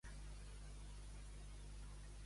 Al Capcir, darrere cada pi s'hi amaga un coquí.